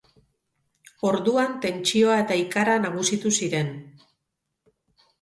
Orduan tentsioa eta ikara nagusitu ziren.